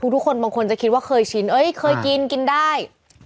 ทุกคนบางคนจะคิดว่าเคยชินเอ้ยเคยกินกินได้